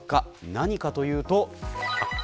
何かというと。